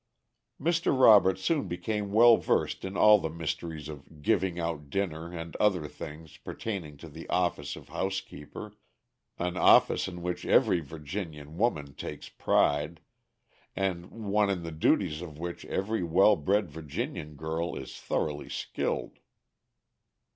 Mr. Robert soon became well versed in all the mysteries of "giving out" dinner and other things pertaining to the office of housekeeper an office in which every Virginian woman takes pride, and one in the duties of which every well bred Virginian girl is thoroughly skilled.